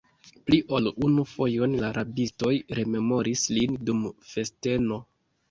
Pli ol unu fojon la rabistoj rememoris lin dum festeno!